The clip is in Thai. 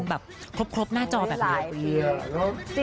แบบครบหน้าจอแบบนี้